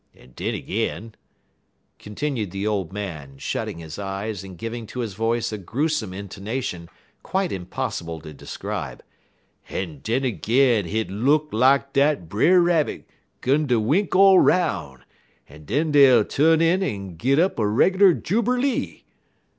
En den ag'in," continued the old man, shutting his eyes and giving to his voice a gruesome intonation quite impossible to describe, "en den ag'in hit look lak dat Brer Rabbit'll gin de wink all 'roun', en den dey'll tu'n in en git up a reg'lar juberlee.